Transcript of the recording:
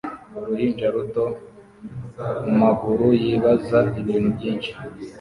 Uruhinja ruto mumaguru yibaza ibintu byinshi